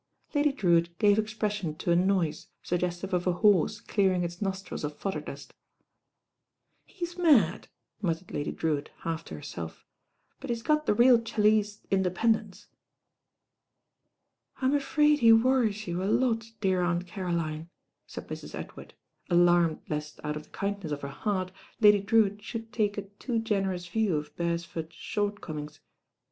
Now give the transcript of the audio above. Lady Drewitt gave expression to a nois<^ sugges tivc of a horse clearing its nostrils of fodderniust. ,!•"*.•*!' muttered Udy Drewitt half to her ..;.^"?^^*^*^^^ ChaUice independence." 1 m afraid he worries you a lot, dear Aunt Caroline, said Mrs. Edward, alarmed lest out of the kindness of her heart Lady Drewitt should take a too generous view of Beresford's shortcomings.